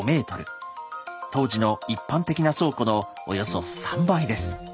当時の一般的な倉庫のおよそ３倍です。